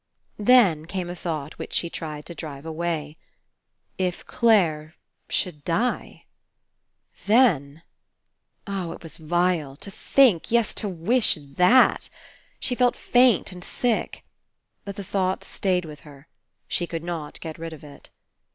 Then came a thought which she tried to drive away. If Clare should die ! Then — Oh, it was vile! To think, yes, to wish that! She " felt faint and sick. But the thought stayed with her. She could not get rid of it.